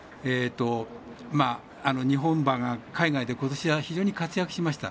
日本馬が海外で今年は非常に活躍しました。